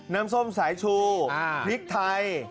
น้ำส้มสายชูพริกไทย